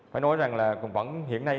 phải nói rằng là hiện nay